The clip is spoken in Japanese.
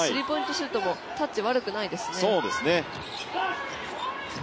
シュートもタッチ悪くないですね。